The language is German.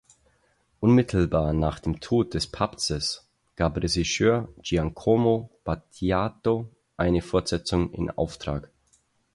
Unmittelbar nach dem Tod des Papstes gab Regisseur Giacomo Battiato eine Fortsetzung in Auftrag.